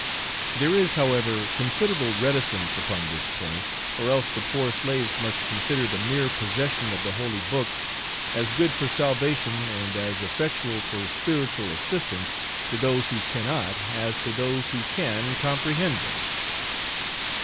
There is, however, considerable reticence upon this point, or else the poor slaves must consider the mere possession of the holy books as good for salvation and as effectual for spiritual assistance to those who cannot as to those who can comprehend them.